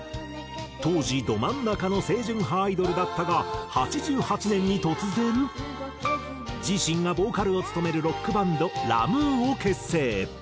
当時ど真ん中の清純派アイドルだったが８８年に突然自身がボーカルを務めるロックバンドラ・ムーを結成。